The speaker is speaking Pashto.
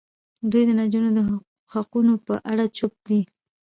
دوی د نجونو د حقونو په اړه چوپ دي.